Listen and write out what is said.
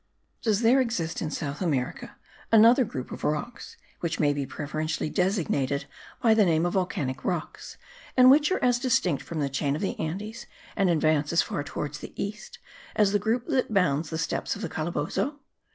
Does there exist in South America another group of rocks, which may be preferably designated by the name of volcanic rocks, and which are as distinct from the chain of the Andes, and advance as far towards the east as the group that bounds the steppes of Calabozo?